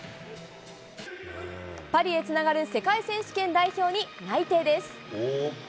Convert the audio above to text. パリへつながる世界選手権代表に内定です。